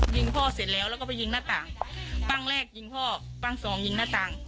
ยิงพ่อเสร็จแล้วแล้วก็ไปยิงหน้าต่างปั้งแรกยิงพ่อปั้งสองยิงหน้าต่าง